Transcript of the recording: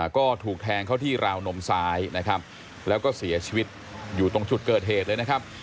ก็ถูกแทงเข้าที่ราวนมซ้ายนะครับแล้วก็เสียชีวิตอยู่ตรงจุดเกิดเหตุเลยนะครับ